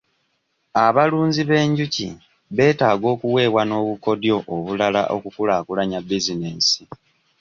Abalunzi b'enjuki beetaaga okuweebwa n'obukodyo obulala okukulaakulanya bizinensi.